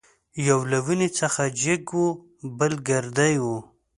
یو له ونې څخه جګ وو بل ګردی وو.